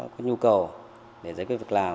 có nhu cầu